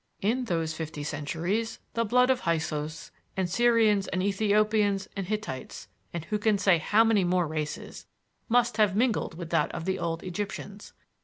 In those fifty centuries the blood of Hyksos and Syrians and Ethiopians and Hittites, and who can say how many more races, must have mingled with that of the old Egyptians.